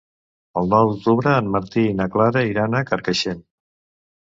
El nou d'octubre en Martí i na Clara iran a Carcaixent.